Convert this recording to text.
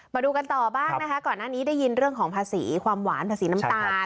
มาดูกันต่อบ้างนะคะก่อนหน้านี้ได้ยินเรื่องของภาษีความหวานภาษีน้ำตาล